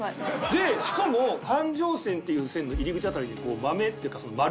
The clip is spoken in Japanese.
でしかも感情線っていう線の入り口辺りにこう豆っていうか丸？